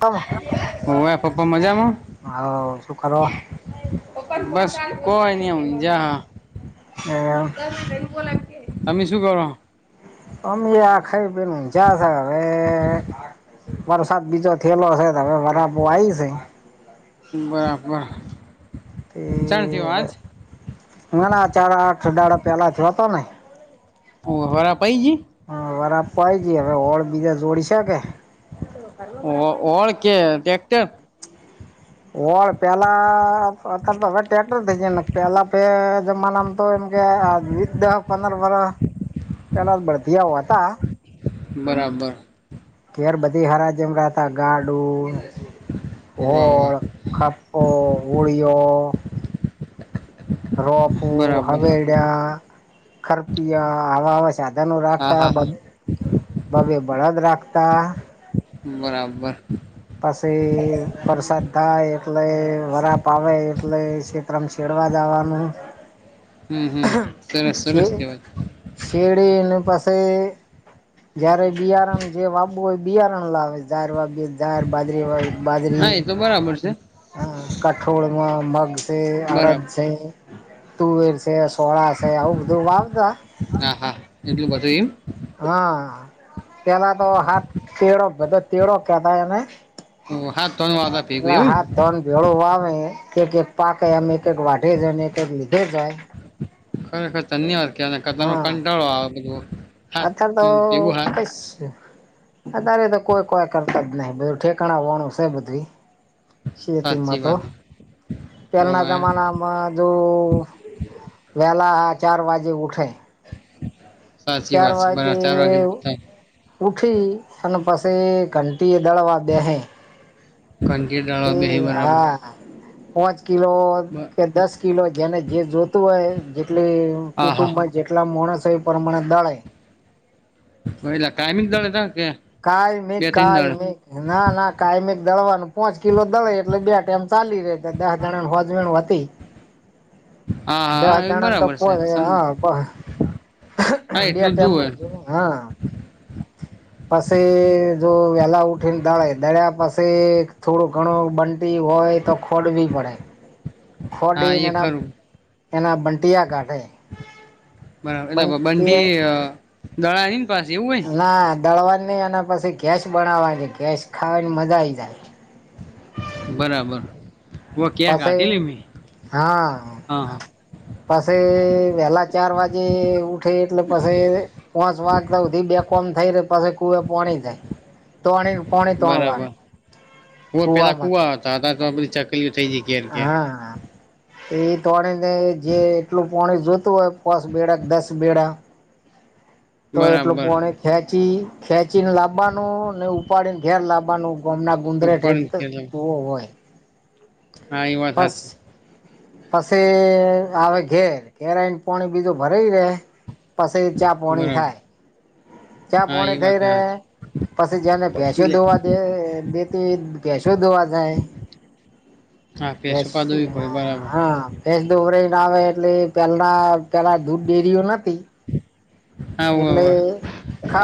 હાલો ઓ એ પપ્પા મજામાં હ શુ કરો બસ કોઈ ન હમજા હ [unintelligible] તમે શું કરો અમી આ ખાઈપીન ઉગ્યા સ હવે વરસાદ બીજો થયેલો છે હવે બરા બ આય છે બરાબર એ ચાણ થયો આજ ઘણા ચાર આઠ ડાળા પેલા થયો તો ને વરા પઈજી હ વરાય નહી જીહવે હોળ બીજા જોડ શકે ઓળ કે ટ્રેક્ટર ઓળ [unintelligible] પેલા અત્યારે તો હવે ટ્રેક્ટર થઈ જાયને પેલા તો એમ કેઅ વી દસ પંદર વરહ પહેલા બળદીયાઓ હતા બરાબર ઘેર બધી હરા જેમર હતા ગાડું વાહ હોળ વાહ [unintelligible] રોપો બરાબર હવેેડા ખરપીયા આવા આવા સાધનો હા રાખતા હા બબે બળદ રાખતા બરાબર પછી વરસાદ થાય એટલે વરાપ આવે એટલે શ [unintelligible] છેડવા જવાનું હમ હમ સરસ સરસ કે વાત શેરડી ને પસે જયારે બિયારણ જે વાબવું હોય બિયારણ લાવે જાર વાબવી હોય તો જાર બાજરી વાબવી હોય તો હા બાજરી એ તો બરાબર છે હ કઠોળમાં મગ છે અળદ બરાબર છે તુવેર છે સોળા છે આવું બધું વાવતા હા હા એટલુ બધુ એમ હા પેલા તો હાથ તેળો બધો તેળો કેતા એને હા તન વાતા ભેગું ના એવું હા તન ભેળો આવે કે પાક એ આમ એક એક વાઢે જાય અને એક એક મીધે જાય ખરેખર ધન્યવાદ કેવાય નકર હા કંટાળો આવે બધું હા અત્યારે તો ભેગું હા [unintelligible] અત્યારે તો કોઈ કોઈ કરતા જ નહી બધું ઠીક સાચી વાત [unintelligible] પહેલાના હોવે જમાનામાં મા જોઅ વહેલા ચાર વાજે ઉઠે સાચી વાત છે બરા ચાર વાગે ઉઠે ઉઠી અને પછે ઘંટી એ દળવા બેહે ધંટી એ દળ તે હા હા પાંચ કિલો કે દસ કિલો જેને જે જોતું હોય જેટલી હા હા કુટુંબમા જેટલા માણસ હો એ પ્રમાણે દળાય હોલા કાયમીંગ દળતા કે બે કાયમીક ત્રણ દળે કાયમી ના ના કાયમીક દળવાનું પોંચ કિલો દળે એટલે બે ટાઈમ ચાલી રે દહ જણા નુ હોજવેણ હતી હા હા દસ એ જણાને તો બરાબર પો છે સ હા હા બે એટલું ટાઈમ જુુંવે [inaudible] પસી જો વેલા ઉઠીને દળેય દળ્યા પસે થોડો ઘણો બ [unintelligible] હોય તો ખોડવી પડે હા ફોડીન એ એના ખરું એના બંટિયા ગાઢે બરાબર એલે કણકી દડા નઈ ને પાસે એવું હોય ને ના દળવાની નહી અને પછી જૈસ નાવા છે જેસ ખાવાની મજા આવીઈ જાય બરાબર ઓ ક્યાં પાસે કાઢેલી મેં હા પાછ વહેલા ચાર વાગે ઉઠે એટલે પાછ પોંચ વાગ સુધી બે કોમ થઈ રે પછી કુવે પોણી જાય તોણી પોણી બરાબર તોણવાનું કુવાવામાંથી તાદા તો ચક હા હા એ તોણીને જે એટલું પાણી જોતું હોય પાચ બેડા દસ બેડા [inaudible] તો એટલું પોણે ખેંચી ખેંચી ને લાવવાનું ને ઉપાડીને ઘેર લાવવાનું ગમના ગુંદરે ઉપર ઠેઠ કૂવો હોય હા એ વાત હાચી બસ પછી આવે ઘેર ઘેરને પોણી બીજું ભરાય રે પાસી ચા પોણી બરાબર થાય ચા હા એ પોણી થઈ વાત રહે હાચી પછી જેને ભેંસો પેલે દોવા દે તે ભેંસો દોવા જાય હા, ભેંસો ભેંસ દોવી પડે હા બરાબર. હા ભેસ દોવાઈ ના આવે એટલે પેલા પેલા દૂધ ડેરીઓ નથી હા, હોવે, એટલે હોવે.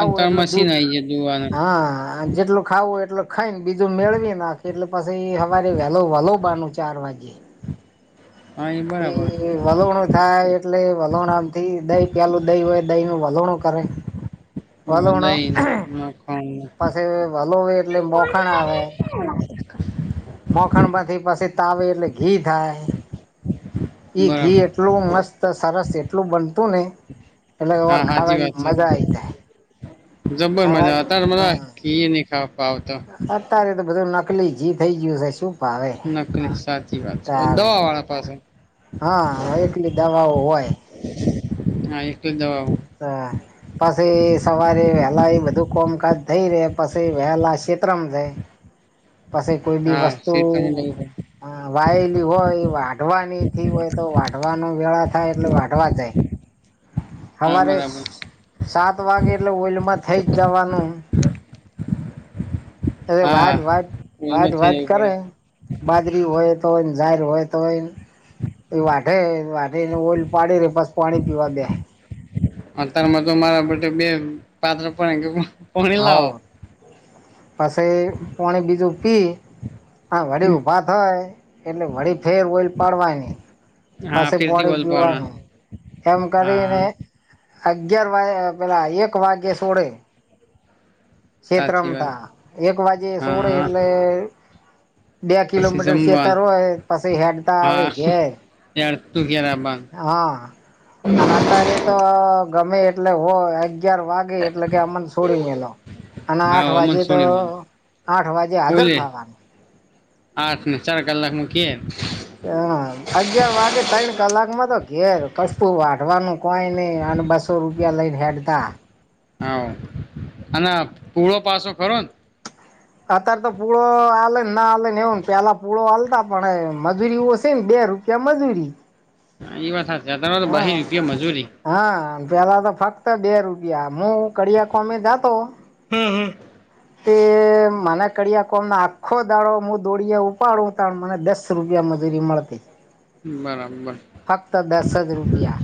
અન તાર એટલ મશીન દૂધ આઈ ગયા દોવાનું. હા જેટલ ખાવું એટલે ખાઈ ને બીજું મેળવી નાખી એટલે પછી સવારે વહેલો વાલાવાનું ચાર વાગે હા, બરાબર. એ વલોવનો થાય એટલે વલણામથી દહી પ્યાલું દહી હોય દહી ન વલણું કરે હોવે વાલોણ દહીં, મખણ પછી વાલોવે એટલે મોખણ આવે [unintelligible] મખણમાંથી પછી તળે એટલે ઘી થાય ઈ ઘી બરાબર. એટલું મસ્ત તો સરસ એટલું બનતું નહીં હા સાાચી વાત છે જાય જબર મજા આવે ખાવાની હમ તાર ઈ ને ખાવા આવ તો અત્યારે તો બધું નકલી ઘી થઇ ગયું છે શું ભાવે નકલી સાચી વાત છે તારે દવા વાળા પાસે હા હરેક ની દવાઓ હોય હા એકલું જ દવા આવ હા પછી સવારે વહેલા એ બધું કોમકાજ થઈ રે પછી વહેલા શેત્રો થાય પાછી કોઈ બી હા, વસ્તુ શેતાની લેવું પડે. હ વાયેલી હોય વાઢવાની હોય તો વાઢવાનું વેળા થાય એટલે વાઢવા જાય હા, હવારે બરાબર. સાત વાગે એટલે ઓઈલમાં થઈ જ જવાનું અ હા, વાત વાત વાત ઓલું વાત થઈ જવું પડે. કરે બાજરી હોય તોય ઝાર હોય તો હોય એ વાઠે વાેને ઓલ પાડી રે પસ પાણી પીવા દે અત્યારેમાં તો મારા બ બે પાત્ર પણ પાણી લાવો પાસે પોણી બીજું પીઈ હા વળી ઊભા થય એટલે વળી ફેર ઓઈલ પાડવા નહીં હા, પાસી ફીરથી પોણી વલપાડા. પીવાનું એમ હા કરીને અગિયાર વાગ પેલા એક વાગે સોડે છેત્રમ સાચી વાત તા એક વાજે સોળે હા એટલે બે પછી કિલોમીટર છેતર જમવાનું હોય પછી હેડતા આવે હા ઘેર [unintelligible] હા અને અત્યારે તો ગમે એટલે હોય અગિયાર વાગ ગે એટલે કે આમને છોડી મેલો અને આઠ હા અમન વાગે તો સોડી મે આઠ વાગે હાજર બોલે થવાની આઠ ને ચાર કલાક મૂકીએ હ અગિયાર વાગે ત્રણ કલાકમાં તો ઘેર કશું વાઢવાનું કોઈ નહી અને બસો રૂપિયા લઈને હેડતા હા અને ના પુળો પાસો ખરોન અત્યારે તો પૂળો આલે ને ના આલે ને એવુંને પેલા પૂળો આલતા પણ મજૂરી ઓસી ને બે રૂપ [unintelligible] મજૂરી હા એ વાત હાચિ બહી હા. રૂપિયા મજૂરી હા પેલા તો ફક્ત બે રૂપિયા હું કળિયા કોમે જાતો હમ્મ હમ્મ તે મને કડિયા કોમના આખો દાડો હું દોડીયા ઉપાડું તાણ મને દસ રૂપિયા મજૂરી મળતી. બરાબર ફક્ત દસ જ રૂપિયા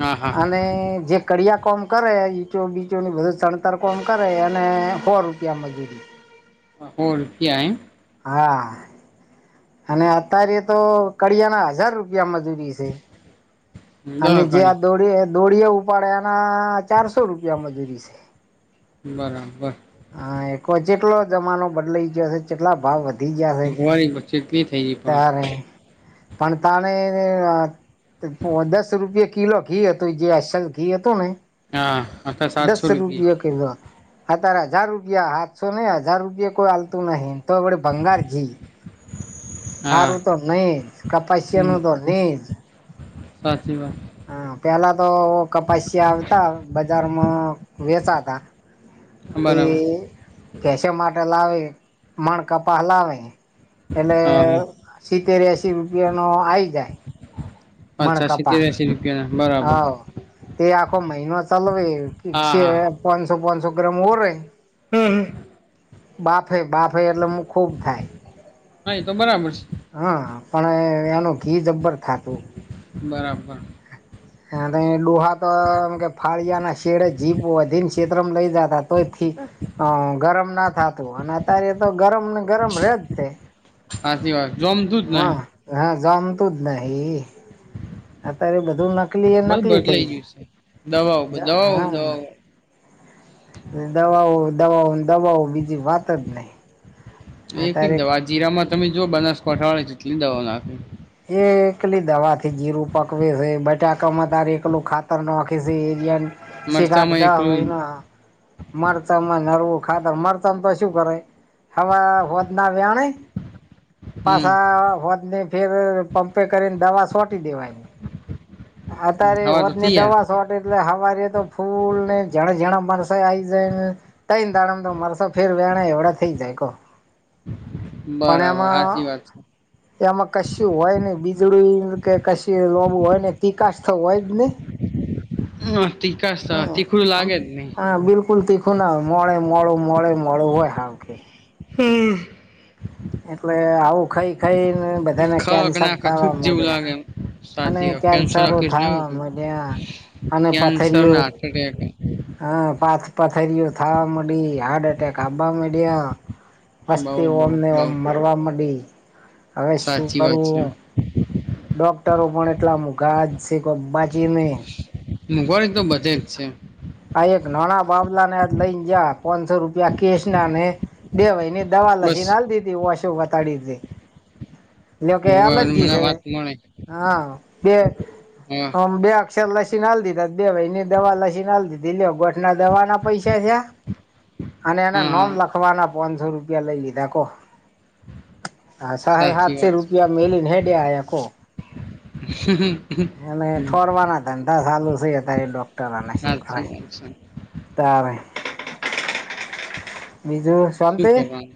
હા હા અને જે કળિયા કોમ કરે ઇચો બીચોની બધું ચણતર કોમ કરે અને સો રૂપિયા મજૂરી હોળ રૂપિયા એમ હા અને અત્યારે તો કળિયા ના હજાર રૂપિયા મજૂરી છે. દહ અને જે ગણી આ દોડી દોડિયા ઉપાડે એના ચારસો રૂપિયા મજૂરી છે. બરાબર હ એક જેટલો જમાનો બદલાઈ ગયો શે ચેટલા ભાવ વધ મોંઘવારી પણ ચેટલી થઈ ગઈ [unintelligible] પણ તારે પણ તને [unintelligible] દસ રૂપિયા કિલો ઘી હતું જે અસલ ઘી હતું ને હા આખા [unintelligible] દસ સાતસો રૂપિયા કિલો હતું. અ તારે હજાર રૂપિયા હાથસો ને હજાર રૂપિયા કોઈ આલતું નહી તો વળી ભંગાર ઘી હા હારું તો નિઝ હમ કપાસિયાનું તો નિઝ સાચી વાત હા પેલા તો કપાસ્યા આવતા બજારમાં વેચાતા. બરાબર તે કેસો માટે લાવે મણ કપાહ લાવે. એટલે હા હા સીતેર એસી રૂપિયા નો આઈ જાય. મણ અચ્છા કપા સીતેર એશી રૂપિયાના બરાબર હવ તે આખો મહિનો ચલવે હા હા [unintelligible] પાચસો પાચસો ગ્રામ ઓરવે [unintelligible] બાફે બાફે એટલે હું ખૂબ થાય હા એ તો બરાબર છે હા પણ એનું ઘી જબ્બર થાતું. બરાબર અને ડોહા એમ કે ફાળિયા ના શેડે જીપ બોધીને છેત્તરોમાં લઇ જતા તો એથી અ ગરમ ના થતું અને અત્યારે તો ગરમ ને ગરમ રે જ છે. સાચી વાત. જોમતું જ ને હા હા જામતું જ નહી. અત્યારે બધું ન નકલી એ બધું નકલી થઈ બદલાઈ ગયું છે દવાઓ દવાઓ જાહા. દવાઓ ને દવાઓ, દવાઓ ને, દવાઓ બીજી વાત જ નહી એક અતારે દવા જીરામાં તમે જુઓ બનાસકાંઠા વાળા જેટલી દવા નાખી. એ એકલી દવાથી જીરું પકવે છે, બટાકામાં તારે એકલું ખાતર નાખી છે, એરિયાન સેક આઠ, મરચામાં દ એકલું મહીના મરતમમાં નરવું ખાતર મરતમ તો શું કરે. હવા હોદના વ્યાણે હમ પાછા હોજ ને ફેર પંપે કરીને દવા સોટી દેવાય. અતારે હવા તો હોજની થઈ યાર દવા એટલે હવારે તો ફૂલ ને જણા જણા મરચાએ આઈ જાય ને. તઈને દાણામાં તો મરસા ફેર વેણા એવડા થઈ જાય કો. પણ બરાબર સાચી વાત એમાં એમાં કશું હોય ની બીજડું કે કશી લોબું હોય ને તીકાસ હોય જ ની. હમ તીખાશ તો હા તીખું આમ લાગે જ નહી. હા બિલકુલ તીખું ના હોય. મોડે મોડું મોડે મોડું હોય હાવ કે હમ એટલે આવું ખઈ ખઈ ને બધાને ખક કેન્સર ના ખ થૂક થાવા જેવું માંડ્યા. લાગે એમ અને સાચી વાત કેન્સર કેન્સરો ના કેસ નહી થાવા માંડ્યા અને કેન્સર પથરીઓ [inaudible] હ પાથ પથરીઓ થાવા માંડી, હાર્ટ એટેક આવવા માંડ્યા. બઉ મસ્તી બઉ ઓમને બઉ ઓમ મરવા માંડી, હવે શું સાચી વાત છે કરવું. ડોક્ટરો પણ એટલા મોંઘા જ છે કોક બાચી ને મોંઘવારી તો બધે જ છે. આ એક નાણા બાબલાને આજ લઈને જ્યાં પાચસો રૂપિયા કેશ ના ને દેવાય ને દવા બસ લખીને આલ દીધી ઓશો બતાડીને. લ્યો કે એલર્જી મને વાત છે મળે હા બે હા ઓમ બે સેલ લસીના આલ દીધા દે બે વયની દવા લસીને આલ દીધી લ્યો ગો આટલા દવાના પૈસા થયા અને એના હા નોમ હા લખવાના. પાંચસો રૂપિયા લઈ લીધા કો આ સહાય સાચી હાત છે રૂપિયા મેલી ને હૈડે આયા કો. હમ હમ એને ઠોરવાના ધંધા ચાલુ છે અત્યારે ડોક્ટરને શું સાચી કરાય. વાત છે તારે બીજું શું કરવાનું?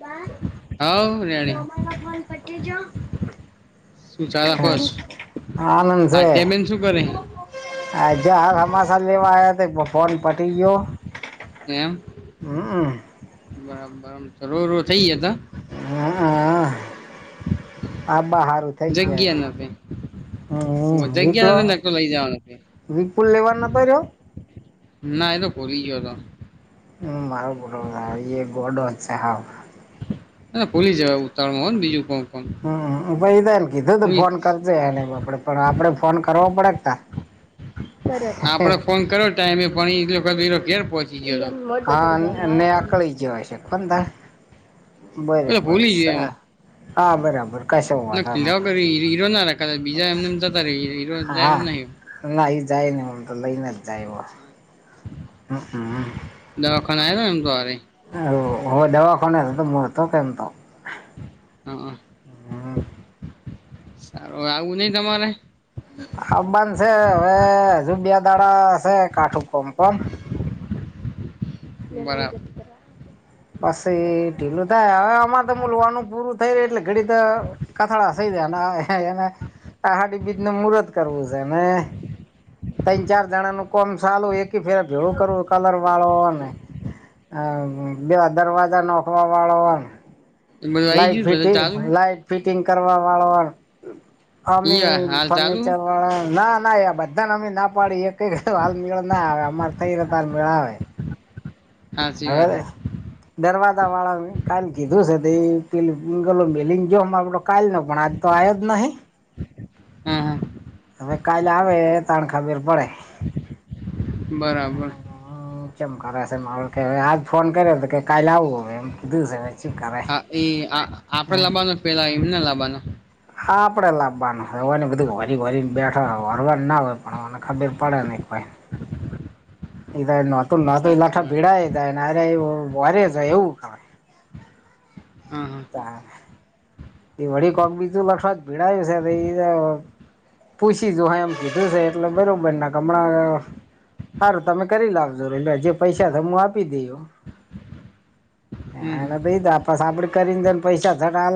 હવ રેડી મોમા નો ફોન પટેજો? શું ચાલે કો? આધ્યા બેન શું કરે? આધ્યા આ સમાચાર લેવા આયા તો ફોન પતી ગયો. એમ હમ બરાબર રો રો થઇ જતા. હ હ આબા હારું થઈ જાય જગયા નથી. હોવ હમ જગ્યા વિપ્લો નથી નકા લઈ જવાનો તે. વિપુલ લેવા નતો રહ્યો ના એ તો ભૂલી ગયો તો. હમ મારો ગોડો એ ગોડો જ છે હાવ. અને ભુલી જવાય ઉતાવળ હોય ને બીજું કોમ હમ ભાઈ તાને કીધું તું ફોન કરજે એને પણ આપડે ફોન કરવા પડે તા આપડે ફોન કરો ટાઈમે પણ ઈ લોકા ઘેર પહોંચયા હા ને ને નેકળી જો હશે કોન દાળે બરોબર સા. ન દ [inaudible] નહી કર હીરો ના રાખા બીજા એમને જતા ર હીરો હા એવું નહી. ના એ જાય નને હમ તો લઈને જ જાય વો. હમ હમ. દવાખને આવે તોવારે હ હવે દવાખોને તો તો મ તો કેમતો હા સારું આવું નહી તમારે આ બંધ છે હવે હજુ બે દાડા છે કાઠું કોમ કોમ બરાબર. પછી એ ઢીલું થાય હવે આમાં તો મલવાનું પૂરું થઈ ર એટલે ઘડી તો કથળા થઈ જયાને એને આ અહાડી બીજને મુર્ત કરવું છે ને ત્રણ ચાર જણા નું કોમ ચાલું એક ફેર ભેવું કરવું કલર વાળોને અ બે દરવાજા નખવા વાળો ને બધું આઈ લાઈટ ગયું બધું ફિટંગ ચાલુ લાઈટ ફિટિંગ કરવા વાળો આમે ઈ હાલ ચાલુ ફર્નિચર. પણ ના ના એ બધાને અમે ના પાડી એ કઈક હાલ મેળ ના આવે અમારે થઈ રતો હાલ મેળ આવે. હાચી હવે. [unintelligible] દરવાદા વાળા કાલે કીધું છે તે પેંલુ એલિંગૂ મેલી ગયો માયડો. કાલ નો પણ આજ તો આયો જ નહી. હું હું. હવે કાલે આવે ત્રણ ખબર પડે. બરાબર. હમ ચેમ કરેશે મા કેવે હાલ ફોન કર્યો હતો કે કાલે આવું હવે એમ કીધું છે મે. હા એ આપડે લબવાનો પેલા એમને લબવાનો. હા આપડે લાવવાનું હોને બધું ઘરી ઘરીને બેઠ. હ હરવાર ના હોય પણ મને ખબીર પડે નહીં કોઈ. નટ ન લઠ સાચી [inaudible] વાત ભીડા એાય વરેજ એવું ક. હમ હમ. તા. તે વડી કોમ બીજું લક્ષવાત ભીડાયું છે. પૂછીશું હ એમ કીધું છે એટલે બરોબરના ગમણાં. હારું તમે કરી લાવજો એટલે જે પૈસા થયો હું આપી દેયો. [unintelligible] હમ એને તો એ સાંભળ કરીને ને પૈસા થ.